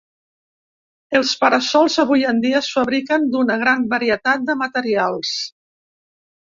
Els para-sols d'avui en dia es fabriquen d'una gran varietat de materials.